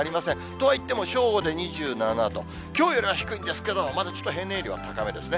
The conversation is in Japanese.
とはいっても正午で２７度、きょうよりは低いんですけど、まだちょっと平年よりは高めですね。